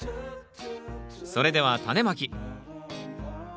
それではタネまき。